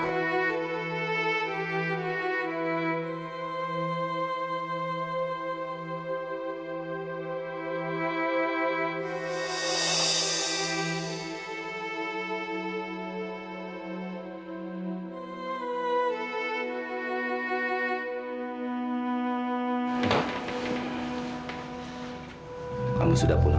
hanya aku mau pergi